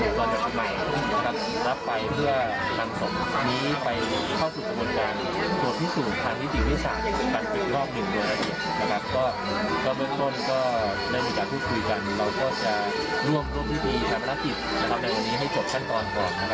เราก็จะร่วมร่วมพิธีภาพนักกิจในวันนี้ให้จบขั้นตอนก่อน